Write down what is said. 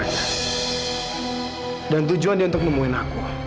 coba tatap mata aku